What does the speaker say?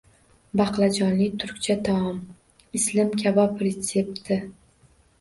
Baqlajonli turkcha taom — islim kabob retsepti